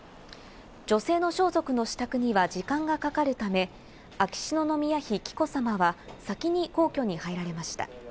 女性の装束の支度には時間がかかるため、秋篠宮妃紀子さまは先に皇居に入られました。